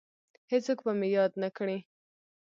هیڅوک به مې یاد نه کړي